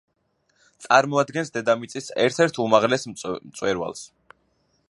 წარმოადგენს დედამიწის ერთ-ერთ უმაღლეს მწვერვალს.